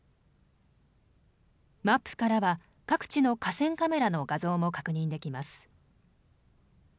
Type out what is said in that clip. マップからは各地の河川カメラの画像も確認できます。